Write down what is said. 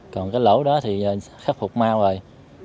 còn cái lỗ đó thì khắc phục mau rồi